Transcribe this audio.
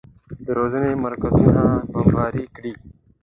د روزنې مرکزونه بمباري کړي.